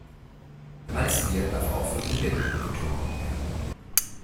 Malzbier darf auch von Minderjährigen getrunken werden.